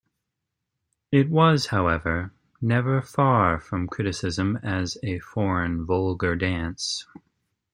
It was, however, never far from criticism as a foreign, vulgar dance.